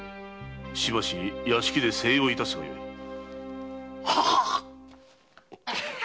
しばし屋敷で静養いたすがよい。ははっ！